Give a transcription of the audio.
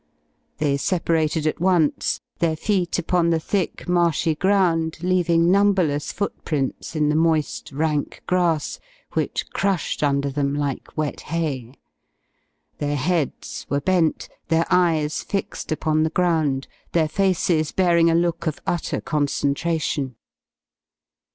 They separated at once, their feet upon the thick marshy ground leaving numberless footprints in the moist rank grass, which crushed under them like wet hay. Their heads were bent, their eyes fixed upon the ground, their faces bearing a look of utter concentration.